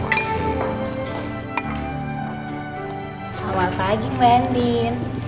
tuh udah disiapin